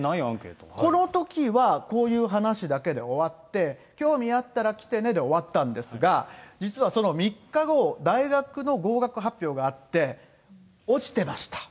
このときはこういう話だけで終わって、興味あったら来てねで終わったんですが、実はその３日後、大学の合格発表があって、落ちてました。